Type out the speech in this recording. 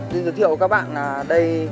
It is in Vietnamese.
xin giới thiệu với các bạn là đây